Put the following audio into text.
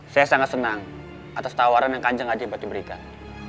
saya sangat senang atas tawaran yang kanceng hati hati berikan